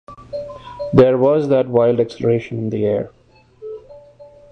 There was that wild exhilaration in the air.